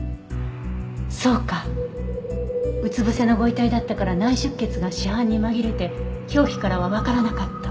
そうかうつ伏せのご遺体だったから内出血が死斑に紛れて表皮からはわからなかった。